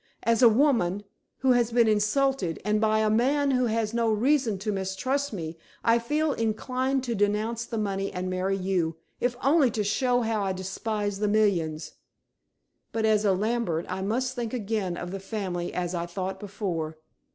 As a woman, who has been insulted, and by a man who has no reason to mistrust me, I feel inclined to renounce the money and marry you, if only to show how I despise the millions. But as a Lambert I must think again of the family as I thought before.